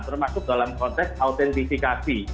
termasuk dalam konteks autentifikasi